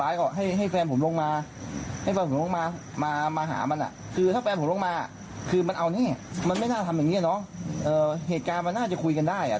เรายังไม่รู้ต้องถามคือหลักต้องถามแฟนผม